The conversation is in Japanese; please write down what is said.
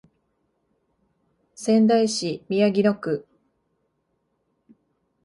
仙台市宮城野区